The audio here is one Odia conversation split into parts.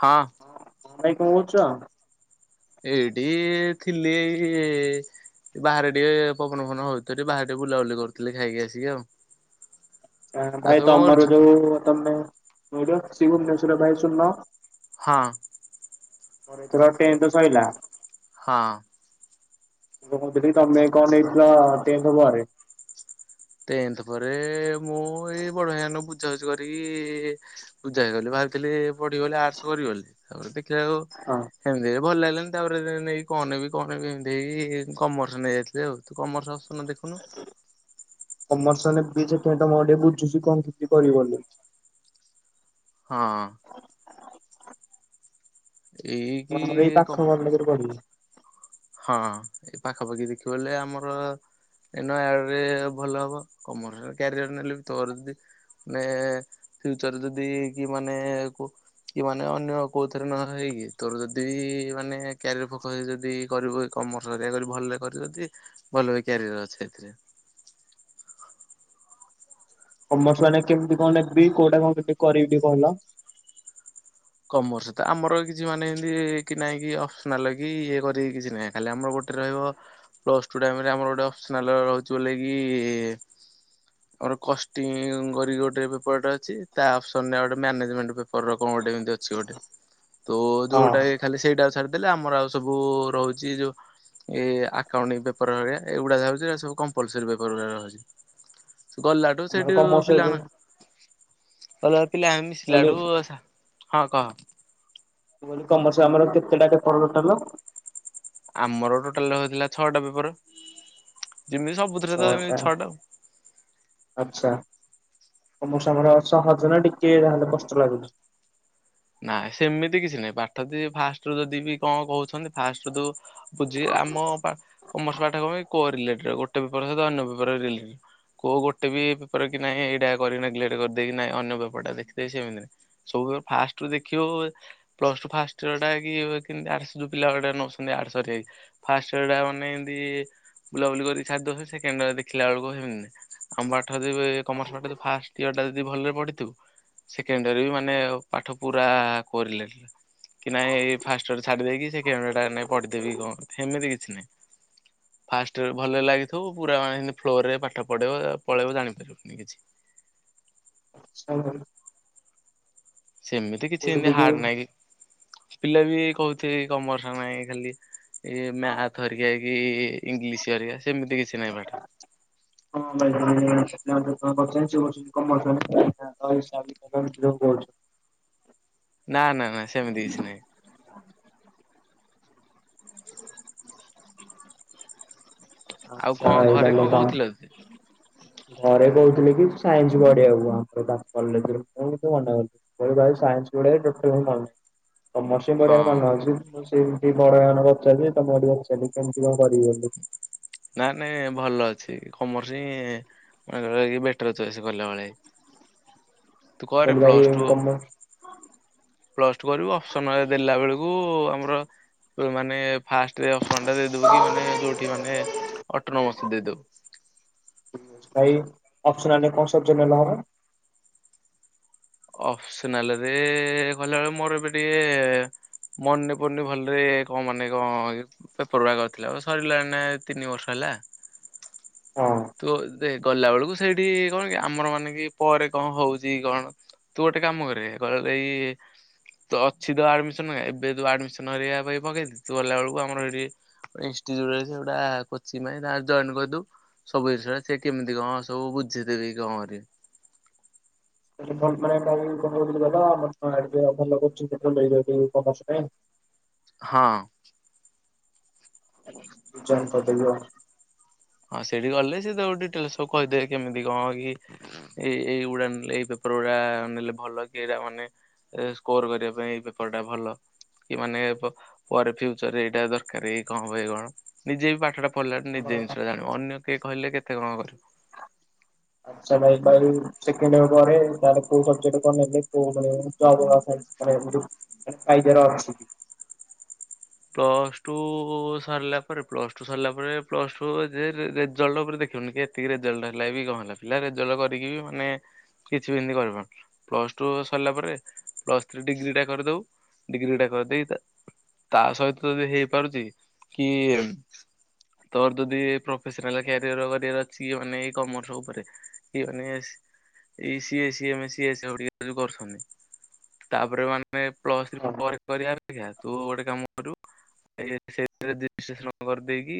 ହଁ। ଭାଇ କଣ କହୁଛ? ଏଇଠି ଥିଲି ଏଇ। ବାହାରେ ଟିକେ ପବନ ଫବନ୍ ହଉଥିଲ ବାହାରେ ଟିକେ ବୁଲାବୁଲି କରୁଥିଲି ଖାଇକି ଆସିକି ଆଉ। ଆଉ ଭାଇ ସବୁ କଣ ତମର କରୁଛୁ? ଯୋଉ ତମେ ଶ୍ରୀ ଭୁବନେଶ୍ଵର ଭାଇ ଶୁନ। ହଁ। ମୋର ଏଥର ଟେନ୍ଥ ସରିଲା। ହଁ। ଲ ମୁଁ ଦେଖିଲି ତମେ କଣ ନେଇଥିଲ ଟେନ୍ଥ ପରେ। ଟେନ୍ଥ ପରେ ମୁଁ ଏଇ ବଡ଼ ଭାଇାନଙ୍କୁ ବୁଝା ବୁଝି କରିକି। ପୂଜା ହେଇଗଲି ଭାବିଥିଲି ପଢି଼ବିବେଲି ଆର୍ଟସ୍ କରିବିବୋଲି ତାପରେ ଦେଖିଲା କୁ ହଁ। ଏମିତିରେ ଭଲ ଲାଗିଲାନି ତାପରେ ନେଇକି କଣ ନେବି କଣ ନେବି ଏମିତି ହେଇକି କମର୍ସ ନେଇଯାଇଥିଲି ଆଉ ତୁ କମର୍ସ ଆ ନ ଦେଖନୁ ବର୍ଷେ ବି ସେଖ ତ ମୋର ଟିକେ ବୁଝୁଛି କଣ କିଛି କରିବ ବୋଲି। ହଁ। ଏଇ। କି ଆମର ଏଇ ପାଖ ବଡ଼ଗି ପଢିବି। ହଁ ଏ ପାଖାପାଖି ଦେଖିବହେଲେ ଆମର ଏ ନୟାଡ଼ରେ ଭଲ ହବ କମର୍ସ କ୍ୟାରିଅର ନେଲେ ବି ତୋର ଯଦି ମାନେ ଫିଉଚରରେ ଯଦି କି ମାନେ କୁ କି ମାନେ ଅନ୍ୟ କୋଉ ଥିରେ ନ ହେଇକି ତୋର ଯଦି ମାନେ କ୍ୟାରିଅର ଫୋକସ ରେ ଯଦି କରିବୁ କମର୍ସ ହେରିକା କରିବୁ ଭଲରେ କରିବୁ ଯଦି ଭଲ ବି କ୍ୟାରିଅର ଅଛି ସେଥିରେ। କମର୍ସ ମାନେ କେମିତି କଣ ନେବି କୋଉଟା କଣ କେମତି କରିବି କହିଲ? କମର୍ସ ତ ଆମର କିଛି ମାନେ ଏମତି କି ନହିଁ କି ଅପ୍ସନାଲ କି ଇଏ କରିବି କିଛି ନାହିଁ। ଖାଲି ଆମର ଗୋଟେ ରହିବ ପ୍ଲସ୍ ଟୁ ଟାଇମରେ ଆମର ଗୋଟେ ଅପ୍ସନାଲ ରହୁଛି ବୋଲି କିି ହ [inaudible] ଆମର କଷ୍ଟିଂ କରିକି ଗୋଟେ ପେପରଟା ଅଛି ତା ଅପସନ ରେ ଗଟେ ମାନେଜମେଣ୍ଟ ପେପର ର କଣ ଗୋଟେ ଏମିତି ଅଛି। ଅଛି ଗୋଟେ ତ ଯୋଉଟା ହଁ। ଖାଲି ସେଇଟା ଛାଡ଼ି ଦେଲେ ଆମର ଆଉ ସବୁ ରହୁଛି ଯୋଉ ଏ ଆକାଣ୍ଟିଙ୍ଗି ପେପର ଏଇଗୁଡ଼ା ଥାଉଚି କମ୍ପଲସରି ପେପର ଗୁଡ଼ାକ ଥାଉଛି। ଗଲାଠୁ ଆମର ସେଇଠି କମର୍ସ ରେ ପିଲାମାନେ ଗଲେ ପିଲା ଆମେ କଲି ମିଶିଲାଠୁ ଆସ ହଁ କହ। ଆମର କମର୍ସର କେତେଟା ପେପର ଟୋଟାଲ? ଆମର ଟୋଟାଲ ରହିଥିଲା ଛଅଟା ପେପର ଯେମିତି ସବୁ ଛଅଟା ଆଚ୍ଛା ତ ମୋ କମର୍ସ ଆମର ସହଜ ନା ଟିକେ ଯାହେଲେ କଷ୍ଟ ଲାଗୁଚି ନାଇ ସେମିତି କିଛି ନାହିଁ ପାଠ ଦ ଫାଷ୍ଟ ରୁ ଯଦି ବି କଣ କହୁଛନ୍ତି ଫାଷ୍ଟ ରୁ ଦୋ ହଉଛି ଆମ କମର୍ସ ପାଠ କଣ କି କୋରିଲେଟେଡ଼ ଗୋଟେ ପେପର ସହିତ ଅନ୍ୟ ପେପର ରିଲେଟେଡ୍ କୋଉ ଗୋଟେ ବି ପେପର କି ନାହିଁ ଏଇଟା କରି ନେଗ୍ଲେକ୍ଟ କରିଦେଇକି ନାଇଁ ଅନ୍ୟ ପେପର ଟା ଦେଖାଇଦେବି ସେମତି ନାଇଁ। ସବୁ ଫାଷ୍ଟୁରୁ ଦେଖିବ ପ୍ଲସ ଟୁ ଫାଷ୍ଟଇୟର ଟା କି ଏବେ କିନ୍ତୁ ଆର୍ଟ୍ସ ପିଲା ଗୁଡ଼ା ନଉଛନ୍ତି ଆର୍ଟ୍ସ ରେ ଫାଷ୍ଟୟର ଟା ମାନେ ଏମିତି ବୁଲାବୁଲି କରିକି ସରିଦୋଉଛନ୍ତି ସେକେଣ୍ଡୟାର ଦେଖିଲା ବେଳକୁ ହେମିତି ନାହିଁ। ଆମ ପାଠ ଯଦି କମର୍ସ ପାଠ ଫାଷ୍ଟ୍ ଇୟର ଟା ଯଦି ଭଲରେ ପଢ଼ିଥିବୁ ସେକେଣ୍ଡଇୟର ରେ ବି ମାନେ ପାଠ ପୁରା କରିଲେଣି କି ନାଇଁ ଫାଷ୍ଟୟର ଛାଡ଼ି ଦେଇକି ସେ ସେକେଣ୍ଡୟର ଟା ନାଇଁ ପଢ଼ିଦେବି କଣ ସେମିତି କିଛି ନାଇଁ। ଫାଷ୍ଟଇୟରରେ ଭଲରେ ଲାଗିଥିବୁ ପୁରା ମାନେ ଫ୍ଲୋ ରେ ପାଠ ପଢ଼େଇବ ପଳେଇବ ଜାଣିପାରିବନୁ କିଛି। ସ [unintelligible] ସେମିତି କିଛି କହୁଥିଲି ଏମିତି କି ହାର୍ଡ ନାହିଁ କି ପିଲା ବି କହୁଥିବେ କମର୍ସ ନାହିଁ ଖାଲି ଇ ମ୍ୟାଥ ହେରିକା ହେଇ କି ଇଂଲିଶ ହେରିକା ସେମିତି କିଛି ନାହିଁ ପାଠ। ହଁ ଭାଇ ବର୍ଷ କମା ହିସାବ [unintelligible] କହୁଛୁ [unintelligible] ନା, ନା, ନା ସେମିତି କିଛି ନୁହେଁ। ଆଉ କଣ ଘରେ ତାହେଲେ କଣ ତମ କହୁଥିଲା ଆଉ ସିଏ। ଘରେ କହୁଥିଲେ କି ସାଇନ୍ସ ପଢ଼ିବାକୁ ଆମର ବାପା [unintelligible] ମନା କରିଦେଲି। ମୋର ଭାଇ ସାଇନ୍ସ ପଢ଼ିବାରେ ଟୋଟାଲି ହଉନେଇ କମର୍ସ [unintelligible] ହଁ କେମିତି କଣ କରିବି ବୋଲି। ନା ନାଇଁ ଭଲ ଅଛି କମର୍ସ ହିଁ ବେଟର ଚଏସ କଲା ଭଳିଆ ହେଇଚି। ଗଲୁ ଭାଇ ଟୁ କମର୍ଶ ପ୍ଲସ ଟୁ କରିବ ଅପସନ ରେ ଦେଲା ବେଳକୁ ଆମର ମାନେ ଫାଷ୍ଟରେ ଅପସନ ଟା ଦେଇଦବୁ କି ମାନେ ଯୋଉଠି ମାନେ ଅଟନମସ ଦେଇଦବୁ। ଭାଇ ଅପସନାଲ ରେ କଣ ସବଜେକ୍ଟ ନେଲେ ହବ? ଅପସନାଲରେ କଲା ବେଳେ ମୋର ଏବେ ଟିକେ ମନେ ପଡୁନି ଭଲରେ କଣ ମାନେ କଣ ଇଏକୁ ପେପର ବା କରିଥିଲା ଓ ସରିଲାଣି ନାଁ ଏ ତିନି ବର୍ଷ ହେଲା। ହଁ। ତୁ ଦେ ଗଲା ବେଳକୁ ସେଇଠି କଣ କି ଆମର ମାନେ କି ପରେ କଣ ହଉଛି କି କଣ? ତୁ ଗୋଟେ କାମ କରେ ଗ ଏଇ ତ ଅଛି ତ ଆଡମିସନ ଏବେ ତୁ ଆଡମିସନ କରିବା ପାଇଁ ପକେଇ ଥିଲି ତୁ ଗଲା ବେଳକୁ ଆମର ଏଇଠି ଇନଷ୍ଟିଚ୍ୟୁଟରେ ସେଗୁଡ଼ା କୋଚିଙ୍ଗ ପାଇଁ ତାଙ୍କୁ କରିଦବୁ। ସବୁ ଜିନଷରେ ସେ କେମିତି କଣ ସବୁ ବୁଝିଦେବେ କି କଣ କରିବେ। [unintelligible] ହଁ। ଏକାଥରେ ଜଏନ୍ କରଦେବୀ ଅ ହଁ ସେଇଠି ଗଲେ ସେ ତମକୁ ଡିଟେଲ୍ ସବୁ କହିଦେବେ କେମିତି କଣ କି? ଏ ଏଇ ଏଇଗୁଡା ନେଲେ ଏଇ ପେପର ଗୁଡା ନେଲେ ଭଲ କି ଏଇଡା ମାନେ ଏ ସ୍କୋର କରିବା ପାଇଁ ଏଇ ପେପର ଟା ଭଲ। କି ମାନେ ପ ପରେ ଫିୟୁଚର ରେ ଏଇଟା ଦରକାର କି କଣ ହବ କଣ ନିଜେ ବି ପାଠଟା ପଢ଼ିଲା ଠୁ ନିଜେ ଆମର ଜିନିଷଟା ଜାଣିବୁ ଅନ୍ୟ କିଏ କହିଲେ କେତ କଣ କରିବୁ। ଆଚ୍ଛା ଭାଇ ପାରୁ। ସେକଣ୍ଡ ୟିଅର୍ ପରେ ତାପରେ କୋଉ ସବଜେକ୍ଟ କଣ ନେଲେ [unintelligible] କାହିଁକି ନାଁ ପାଇକାଡ ଅଛି କି? ପ୍ଲସ ଟୁ ସରିଲା ପରେ ପ୍ଲସ୍ ଟୁ ସରିଲା ପରେ। ପ୍ଲସ୍ ଟୁ ଯେ ରେଜଲ୍ଟ ଉପରେ ଦେଖିବନି କେ ଏତିକି ରେଜଲ୍ଟ ହେଲା କି କଣ ହେଲା। ପିଲା ରେଜଲ୍ଟ କରିକି ବି ମାନେ କିଛି ବି ଏମିତି କରିପାରୁ ପ୍ଲସ୍ ଟୁ ସରିଲା ପରେ ପ୍ଲସ୍ ଥ୍ରୀ ଡିଗ୍ରୀଟା କରିଦେବୁ। ଡିଗ୍ରୀଟା କରିଦେଇ ତା ତା ସହିତ ଯଦି ହେଇପାରୁଚି କି ତୋର ଯଦି ପ୍ରଫେସନାଲ କ୍ୟାରିୟର କରିବାର ଅଛି ମାନେ ଏଇ କମର୍ସ ଉପରେ କିଏ ମାନେ ସି ଏଇ ସିଏ ସିଏ ଆମେ ସିଏ ଓଡିଆ ଯୋଉ କରୁଛନ୍ତି। ତାପରେ ମାନେ ପ୍ଲସ ଥ୍ରି ହଁ ପରେ କରିବା ଅପେକ୍ଷା ତୁ ଗୋଟେ କାମ କରିବୁ ଏ ସେଥିରେ ରେଜିଷ୍ଟ୍ରେସନ କରିଦେଇକି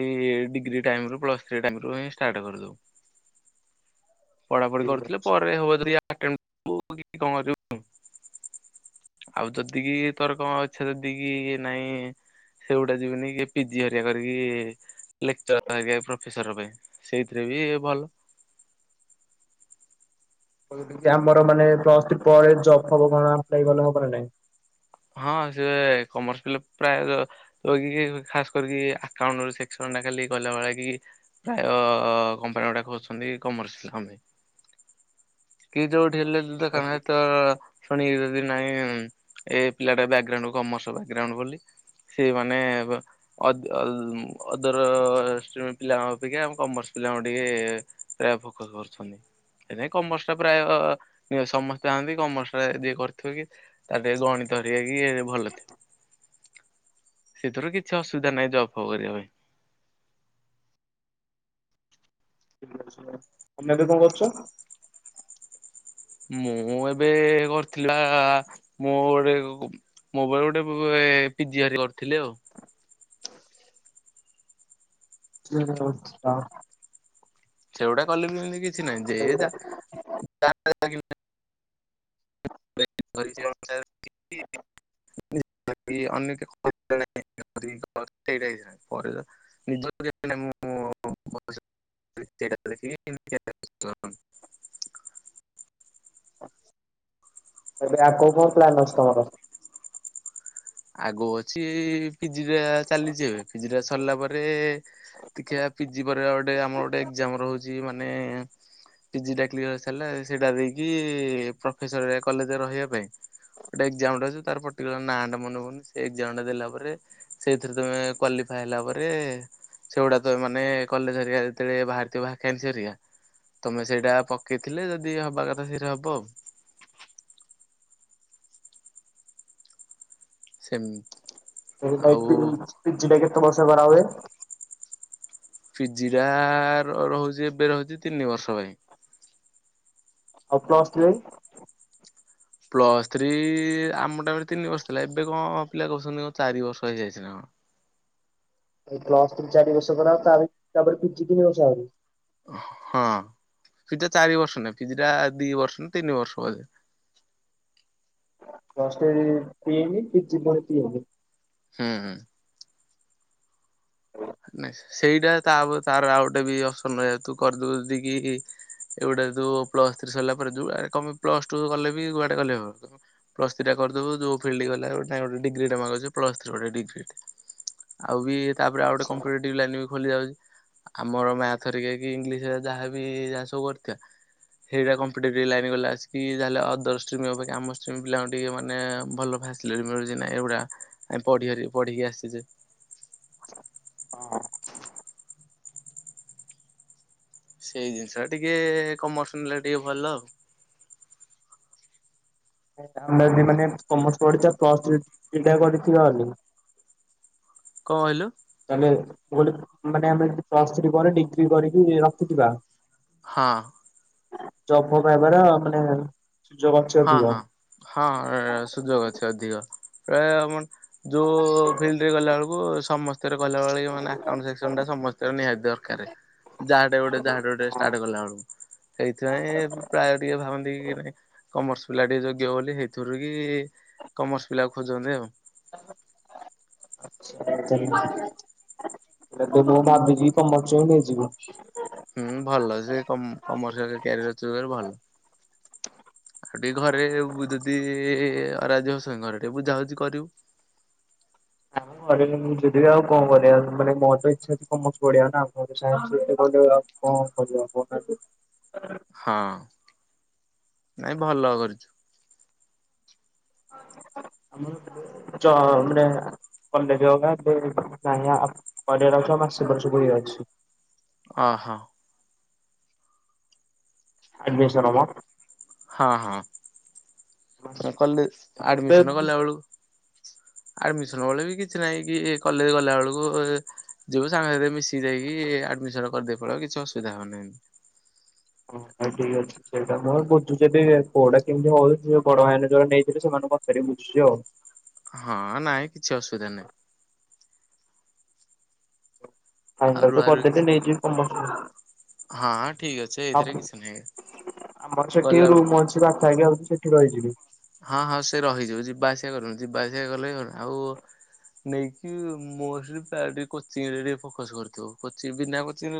ଏଇ ଡିଗ୍ରୀ ଟାଇମ୍ ରୁ ପ୍ଲସ୍ ଥ୍ରୀ ଟାଇମ୍ ରୁ ହିଁ ଷ୍ଟାର୍ଟ କରିଦବୁ। [inaudible] ପଢାପଢି ଠିକ୍ କରୁଥିଲେ ଅଛି। ପରେ ହବ ଦୁରିଆ ଅଟେନ୍ କରିବୁ କି କଣ କରିବୁ ଆଉ ଯଦି କି ତୋର କଣ ଅ ସେ ଦି କି ନାଇଁ ସେଗୁଡା ଯିବନି କି ପିଜି ହରିଆ କରିକି ଲେକ୍ ଚର୍ ହେବି ପ୍ରଫେସର ପାଇଁ ସେଇଥିରେ ବି ଭଲ। କହିଲି କି ଆମର ମାନେ ପ୍ଲସ ଥ୍ରି ପରେ ଜବ ଫବ କଣ ଆପ୍ଲାଇ କଲେ ହବ ନାଇଁ? ହଁ ସେ କମର୍ସ ପିଲା ପ୍ରାୟତ କରିକି ଖାସ୍ କରିକି ଆକାଉଣ୍ଟ ସେକ୍ସନ ଟା ଖାଲି କଲା ଭଳିଆ କି ପ୍ରାୟ କମ୍ପାନୀ ଗୁଡାକ ଖୋଜୁଛନ୍ତି କମର୍ସ ପିଲାଙ୍କ ପାଇଁ। କି ଯୋଉଠି ହେଲେ ଢେଙ୍କାନାଳରେ ତ ଶୁଣିକି ଯଦି ନାଇଁ ଏ ପିଲାଟା ବ୍ୟାକଗ୍ରାଉଣ୍ଡ କମର୍ସ ବ୍ୟାଗ ଗ୍ରାଉଣ୍ଡ ବୋଲି। ସିଏ ମାନେ ବ ଅ ଅ ଅଦର ଷ୍ଟିମ୍ ପିଲାଙ୍କ ଅପେକ୍ଷା କମର୍ସ ପିଲାଙ୍କୁ ଟିକେ ଏ ଆ ଫୋକସ କରୁଛନ୍ତି ସେଥିଲାଗି କମର୍ସ ପ୍ରାୟ ସମସ୍ତେ ଚାହାନ୍ତି କମର୍ସ ଟା ଯିଏ କରିଥିବ କି ତାର ଟିକେ ଗଣିତ ହେରିକା କି ଏ ଭଲ ଥି [inaudible] ସେଥିରୁ କିଛି ଅସୁବିଧା ନାହିଁ ଜବ୍ ଫବ୍ କରିବା ପାଇଁ। ତମେ ଏବେ କଣ କରୁଛ? ମୁଁ ଏବେ କରିଥିବି ବା ମୁଁ ଗୋଟେ ମୋ ପାଖରେ ଗୋଟେ ପିଜି ହ କରିଥିଲି ଆଉ ହ ଆଛା ସେଗୁଡା କଲେ ବି ଏମତି କିଛି ନାହିଁ ଯେ ଯା [inaudible] [inaudible] [inaudible] [inaudible] ଏବେ ଆଉ କଣ କଣ ପ୍ଲାନ୍ ଅଛି ତମର? ଆଗକୁ ଅଛି ପିଜିଟା ଚାଲିଛି ଏବେ ପିଜି ଟା ସରିଲା ପରେ ଦେଖିବା ପିଜି ପରେ ଆଉ ଗୋଟେ ଆମର ଗୋଟେ ଏକ୍ଜାମ ରହୁଛି ମାନେ ପିଜିଟା କ୍ଲିଅର କରି ସାରିଲା ସେଇଟା ଦେଇକି ପ୍ରଫେସର କଲେଜରେ ରହିବା ପାଇଁ ଗୋଟେ ଏକ୍ସାମ ରହୁଛି ତାର ପର୍ଟିକୁଲାର ନାଁ ଟା ମନେ ପଡୁନି। ସେ ଏକଜାମଟା ଦେଲା ପରେ ସେଇଥିରେ ତମେ କ୍ଵାଲିଫାଏ ହେଲା ପରେ ସେଗୁଡା ତ ମାନେ କଲେଜ ହେରିକା ଯେତେବେଳେ ବାହାରିଥିବ ଭାକାନ୍ସି ହେରିକା ତମେ ସେଇଟା ପକେଇଥିଲେ ଯଦି ହବା କଥା ସେଇଟା ହବ। ସେମ [inaudible] ପିଜିଟା ରହୁଛି ଏବେ ରହୁଛି ତିନି ବର୍ଷ ପାଇଁ ଆଉ ପ୍ଲସ୍ ଥ୍ରୀ? ପ୍ଲସ୍ ଥ୍ରୀ ଆମ ଟାଇମରେ ତିନି ବର୍ଷ ଥିଲା ଏବେ କଣ ପିଲା କରୁଛନ୍ତି କଣ ଚାରି ବର୍ଷ ହେଇଯାଇଛି ନା କଣ? ଏଇ ପ୍ଲସ୍ ଥ୍ରୀ ଚାରି ବର୍ଷ ପରେ ତା ତାପରେ ପିଜି ତିନି ବର୍ଷ ଆହୁରି? ହଁ ପିଜି ଚାରି ବର୍ଷ ନାଇ ପିଜିଟା ଦି ବର୍ଷ ନା ତିନି ବର୍ଷ ବୋଧେ ପ୍ଳସ୍ ଥ୍ରୀ ତିନି ପିଜି ପୁଣି ତିନି ହୁଁ। ନାଇ ସେଇଟା ତା ତାର ଆଉ ଗୋଟେ ବି ଅପସନ୍ ଜେହେତୁ କରିଦେଉଛି କି? ଏଗୁଡା ଯୋଉ ପ୍ଲସ ଥ୍ରୀ ସରିଲା ପରେ କମ ପ୍ଲସ ଟୁ କଲେ ବି କୁଆଡେ କଲେ ହବ? ପ୍ଲସ ଥ୍ରୀ ଟା କରିଦବୁ ଯୋଉ ଫିଲ୍ଡ ଗଲେ ଡିଗ୍ରୀ ଟାଏ ମାଗୁଛି ପ୍ଲସ୍ ଥ୍ରୀ ଗୋଟ ଡିଗ୍ରୀ ଟାଏ। ଆଉ ବି ତାପରେ ଆଉ ଗୋଟେ ଆଚ୍ଛା। କମ୍ପଲିଟ। ଲାଇନ୍ ବି ଖୋଲି ଯାଉଛି ଆମର ମ୍ୟାଥ ଘରିକା କି ଇଂଲିଶ ଘରିକା ଯାହାବି ଯାହା ସବୁ କରିଥିବା ସେଇଟା କମ୍ପିଟେଟିଭ୍ ଲାଇନ୍ ଗଲେ ଆସିକି ତାହେଲେ ଅଦର ଷ୍ଟିମମ୍ ଅପେକ୍ଷା ଆମଷ୍ଟ୍ରିମ ପିଲାଙ୍କୁ ଟିକେ ମାନେ ଭଲ ଫାସି ଲିଟି ମିଳିପାରୁଛି ନା ଏଗୁଡ଼ାକ ଆମେ ପଢିଆ ନି ପଢିକି ଆସିଛେ? ହଁ। ସେଇ ଜିନିଷଟା ଟିକେ କମର୍ସ ନେଲେ ଟିକେ ଭଲ। ଆମେ ଅମରାବୀ କମର୍ସ ପଢିଛ ପ୍ଲସ ଥ୍ରୀ କରିଥିବା ବୋଲି। [unintelligible] କଣ କହିଲୁ? ତାହେଲେ ଗୋଟେ ମାନେ ଆମେ ପ୍ଲସ୍ ଥ୍ରୀ ପରେ ଡିଗ୍ରୀ କରିକି ରଖିଥିବା। ହଁ। ଜବ୍ ପାଇବାର ମାନେ ସୁଯୋଗ ଅଛି ହଁ ଅଧିକ। ହଁ ହଁ ସୁଯୋଗ ଅଛି ଅଧିକ ପ୍ରାୟ ଆମର ଯୋଉ ଗଲା ବେଳକୁ ସମସ୍ତଙ୍କର ଗଲା ବେଳେ ମାନେ ଆକାଉଣ୍ଟ ସେକ୍ସନଟା ସମସ୍ତଙ୍କର ନିହାତି ଦରକାର। ଯାହାଟେ ଗୋଟେ ଯାହାଟେ ଗୋଟେ ଷ୍ଟାର୍ଟ କଲା ବେଳକୁ ସେଇଥିପାଇଁ ପ୍ରାୟ ଟିକେ ଭାବନ୍ତି କି ନାଇଁ କମର୍ସ ପିଲା ଟିକେ ଯୋଗ୍ୟ ବୋଲି ସେଇଥିରୁ କି କମର୍ସ ପିଲା ଖୋଜନ୍ତି ଆଉ। ଆଚ୍ଛା ଆଚ୍ଛା ମୁଁ ଭାବି ଯିବି କମଚ ହଁ ନେଇଯିବି। ହୁଁ ଭଲ ଜେ କମରସିଆଲ କ୍ୟାରିୟର ଥିବାରୁ ଭଲ। ଆଉ ଟିକେ ଘରେ ଯଦି ଅରାଜି ହଉଛନ୍ତି ଘରେ ଟିକେ ବୁଝାବୁଝି କରିବୁ। ମୁଁ ଯଦି ଆଉ କଣ କରିବା ଆଉ ମାନେ ମୋର ତ ଇଚ୍ଛା ଅଛି କମର୍ସ ପଢିବା ନା। [unintelligible] କଣ କରିବା କହୁନାହାନ୍ତି? ହଁ ନାଇଁ ଭଲ କରିଛୁ। ଚ ମାନେ କଲେଜ ଅଧା ପରେ ଚାହିଁଲେ କରିବାର ଅଛ ମାସେ ପଛୁକୁ ହିଁ ଅଛି। ଅ ହଁ। ଅଡ୍ମମିସନ୍ ମ। ହଁ ହଁ ତ କଲେଜ୍ ମୁଁ ଆଡମିସନ ଏବେ କଲା ବେଳକୁ ଆଡମିସନ ବେଳେ ବି କିଛି ନହିଁ କି କଲେଜ ଗଲା ବେଳକୁ ଯିବୁ ସାଙ୍ଗ ସାଥି ମିସିକି ସେ ଯାଇକି ଆଡମିସନ କରିଦେଇ ପଳେଇବ କିଛି ଅସୁବିଧା ହେବନାହିଁ। ହଉ ଠିକ୍ ଅଛି। ସେଇଟା ମୁଁ ବୁଝୁଛି ଜେ କଉଟା କେମିତି ହଉଛି ଯୋଉ ବଡ ମାନେ ଯୋଉ ନେଇଥିଲେ ସେମାନଙ୍କ ପାଖରେ ବୁଝୁଛି ଆଉ। ହଁ ନାଇଁ କିଛି ଅସୁବିଧା ନାହିଁ। ଆଉ ଫାଇନାଲ୍ ତ ରୁଆ ରୁଇ କରିଦେବେ ନେଇଜିବୁ କମର୍ସ। ହଁ ଠିକ ଅ ଆମର ସେଠି ଗଲା ରୁମ ଅଛି ବାପା ହେରିକା ଆଉ ସେଠି ରହିଯିବି। ହଁ ହଁ ସେ ରହିଯିବ ଯିବା ଆସିବା କଲେନୁ ଯିବା ଆସିବା କଲେ କ ଆଉ ନେଇକି ମୋ ଟିକେ କୋଚିଂରେ ଟିକେ ଫୋକସ୍ କରିଥିବୁ। କୋଚି ବିନା କୋଚିଂ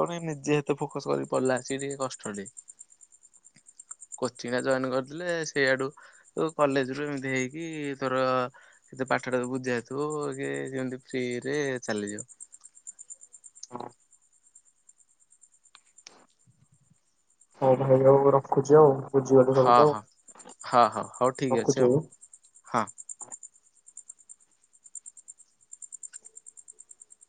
କଣ ନିଜେ ଏତେ ଫୋକସ କରି ପଡିଲା ସେ ଟିକେ କଷ୍ଟ ଟି। କୋଚିଂଟା ଜଏନ୍ କରିଦେଲେ ସେଇଆଡୁ କଲେଜ ରୁ ଏମିତି ହେଇକି ତୋର କେତେ ପାଠ ଟା ବୁଝା ହେଥିବ କି ଯେମିତି ଫ୍ରିରେ ଚାଲିଯିବ। ହଉ ଭାଇ ଆଉ ରଖୁଛି ଆଉ ବୁଝଗଲେ ହଁ ସବୁଛି ଆଉ ହଁ ହଁ ହଉ ହଉ ଠିକ୍ ଅଛି ରଖୁଛି ଆଉ। ହଁ।